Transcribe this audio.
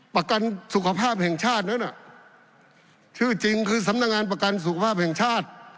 ประกันสุขภาพแห่งชาตินั้นน่ะชื่อจริงคือสำนักงานประกันสุขภาพแห่งชาติ